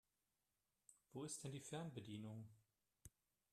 Wo ist denn die Fernbedienung?